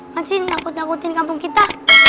kan sih nakut nakutin kampung kita